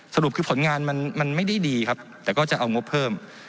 สรุปคือผลงานมันไม่ได้ดีครับแต่ก็จะเอางบเพิ่ม